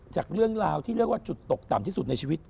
จากเรื่องราวที่เรียกว่าจุดตกต่ำที่สุดในชีวิต